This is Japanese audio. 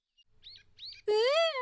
うん。